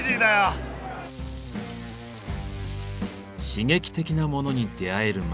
刺激的なモノに出会える街